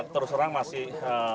terus orang masih